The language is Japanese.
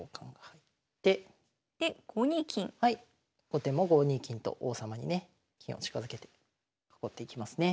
後手も５二金と王様にね金を近づけて囲っていきますね。